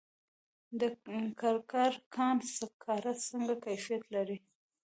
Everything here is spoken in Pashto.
د کرکر کان سکاره څنګه کیفیت لري؟